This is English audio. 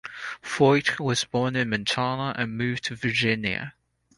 Feucht was born in Montana and moved to Virginia.